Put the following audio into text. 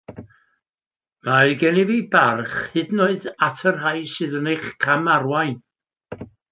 Mae gennyf fi barch hyd yn oed at y rhai sydd yn eich camarwain.